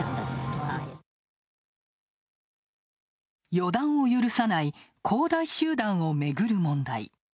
予断を許さない恒大集団をめぐる問題。